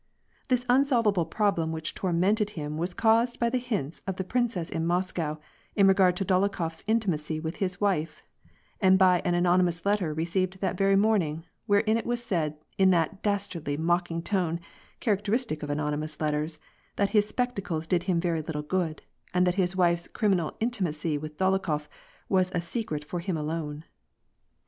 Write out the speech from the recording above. This unsolvable problem which tormented him was caused by the hints of the princess in Moscow in regard to Dolokhof s intimacy with his wife, and by an anonymous letter received that very morning, wherein it was said in that dastardly mock ing tone char^teristio of anonymous letters, that his spectacles did him very little good, and that his wife's criminal intimacy with Dolokhof was a secret for him alone.